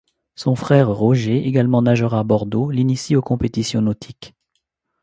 Son frère Roger, également nageur à Bordeaux, l'initie aux compétitions nautiques.